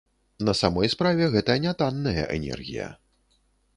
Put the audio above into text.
На самой справе гэта нятанная энергія.